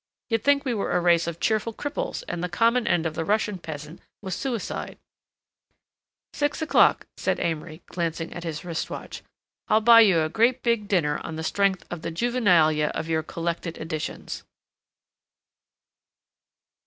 You'd think we were a race of cheerful cripples and that the common end of the Russian peasant was suicide—" "Six o'clock," said Amory, glancing at his wrist watch. "I'll buy you a grea' big dinner on the strength of the Juvenalia of your collected editions."